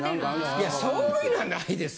いやそういうのはないです。